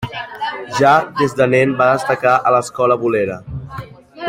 Ja des de nen va destacar a l'escola bolera.